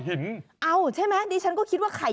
เฮ้ย